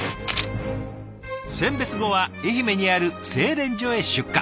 選別後は愛媛にある製錬所へ出荷。